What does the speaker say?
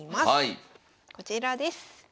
こちらです。